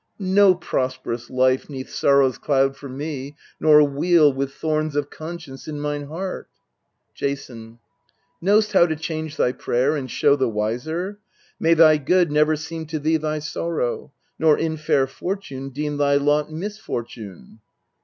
No prosperous life 'neath sorrow's cloud for me, Nor weal, with thorns of conscience in mine heart ! Jason. Know'st how to change thy prayer, and show the wiser ? May thy good never seem to thee thy sorrow ; Nor in fair fortune deem thy lot misfortune.